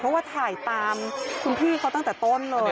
เพราะว่าถ่ายตามคุณพี่เขาตั้งแต่ต้นเลย